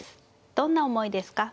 どんな思いですか。